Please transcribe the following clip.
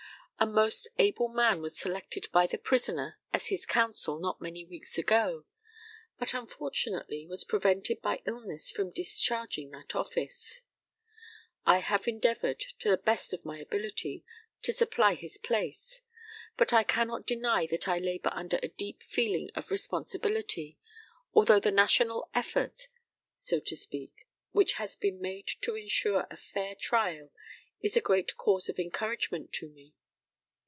A most able man was selected by the prisoner as his counsel not many weeks ago, but, unfortunately, was prevented by illness from discharging that office. I have endeavoured, to the best of my ability, to supply his place; but I cannot deny that I labour under a deep feeling of responsibility, although the national effort, so to speak, which has been made to insure a fair trial is a great cause of encouragement to me.